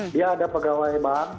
dia ada pegawai bank